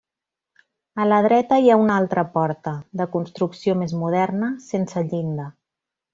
A la dreta hi ha una altra porta, de construcció més moderna, sense llinda.